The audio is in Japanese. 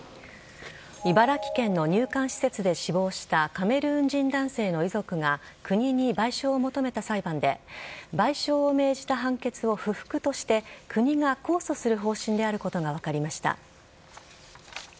茨城県の入管施設で死亡したカメルーン人男性の遺族が国に賠償を求めた裁判で賠償を命じた判決を不服として国が控訴する方針であることが分かりました。